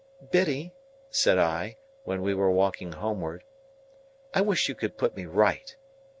"Biddy," said I, when we were walking homeward, "I wish you could put me right."